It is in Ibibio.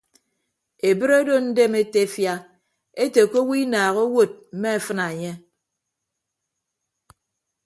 Ebre odo ndem etefia ete ke owo inaaha owod mme afịna enye.